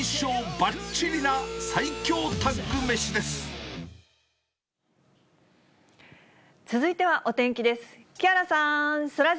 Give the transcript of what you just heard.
ばっちりな最強タ続いてはお天気です。